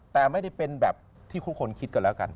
แต่ไม่ได้เป็นแบบที่ทุกคนคิดกันแล้วกัน